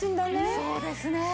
そうですね。